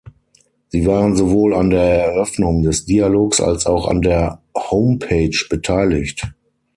Sie waren sowohl an der Eröffnung des Dialogs als auch an der Homepage beteiligt.